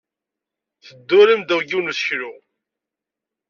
Teddurim ddaw yiwen n useklu.